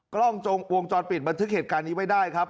กล้องวงจรปิดบันทึกเหตุการณ์นี้ไว้ได้ครับ